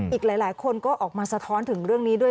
อีกหลายคนก็ออกมาสะท้อนถึงเรื่องนี้ด้วย